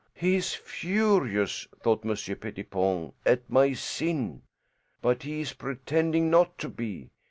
"He is furious," thought Monsieur Pettipon, "at my sin. But he is pretending not to be.